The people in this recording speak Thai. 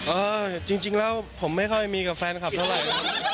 เออจริงแล้วผมไม่ค่อยมีกับแฟนคลับเท่าไหร่